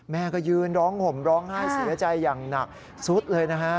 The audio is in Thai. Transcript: แม่ก็ยืนร้องห่มร้องไห้เสียใจอย่างหนักสุดเลยนะฮะ